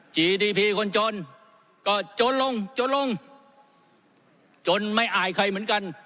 จีดีพีคนจนก็จนลงจนลงจนไม่อายใครเหมือนกัน